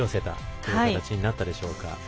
そういう形になったでしょうか。